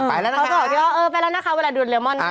เขาจะบอกที่ว่าเออไปแล้วนะคะเวลาดูเลมอนนะ